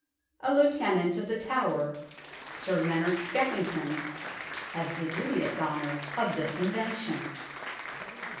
A Lieutenant of The Tower, Sir Leonard Skeffington, has the dubious honour of this invention.